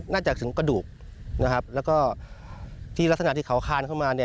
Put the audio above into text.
จากถึงกระดูกนะครับแล้วก็ที่ลักษณะที่เขาคานเข้ามา